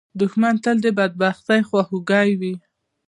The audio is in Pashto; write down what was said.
دښمن تل د بدبختۍ خواخوږی وي